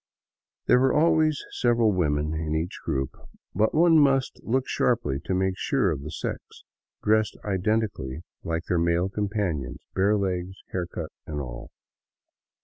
There were always several women in each group, but one must look sharply to make sure of the sex, dressed identically like their male companions, bare legs, hair cut, and all.